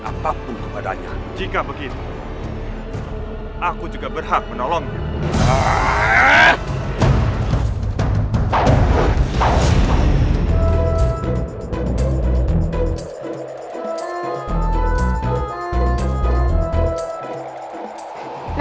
apapun kepadanya jika begitu aku juga berhak menolongnya